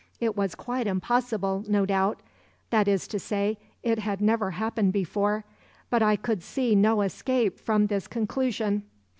It was quite impossible, no doubt—that is to say, it had never happened before—but I could see no escape from this conclusion.